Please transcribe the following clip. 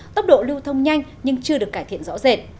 tốc độ lưu thông nhanh nhưng chưa được cải thiện rõ rệt